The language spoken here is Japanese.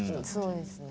そうですね。